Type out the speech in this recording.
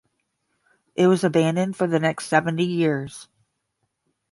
It was abandoned for the next seventy years.